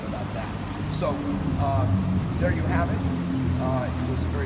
ถามตอบถ้าใครคิดกาย